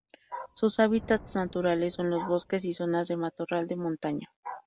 Sus hábitats naturales son los bosques y zonas de matorral de montaña.